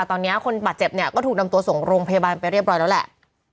ตอนนี้คนบาดเจ็บเนี่ยก็ถูกนำตัวส่งโรงพยาบาลไปเรียบร้อยแล้วแหละ